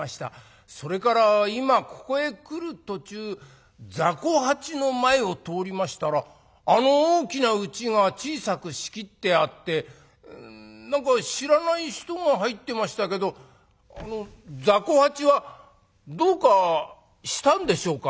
それから今ここへ来る途中ざこ八の前を通りましたらあの大きなうちが小さく仕切ってあって何か知らない人が入ってましたけどざこ八はどうかしたんでしょうか？」。